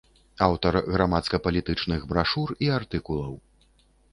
Аўтар грамадска-палітычных брашур і артыкулаў.